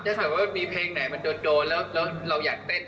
ถ้าเกิดว่ามีเพลงไหนมันโดนแล้วเราอยากเต้น